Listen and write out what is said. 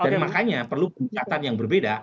dan makanya perlu pendekatan yang berbeda